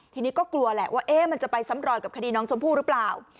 ทีนี้ก็กลัวแหละว่ามันจะไปซ้ำรอยกับคดีน้องชมพู่หรือเปล่า